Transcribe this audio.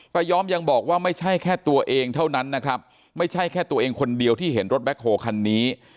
ยอมยังบอกว่าไม่ใช่แค่ตัวเองเท่านั้นนะครับไม่ใช่แค่ตัวเองคนเดียวที่เห็นรถแบ็คโฮคันนี้